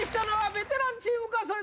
ベテランチームの勝利！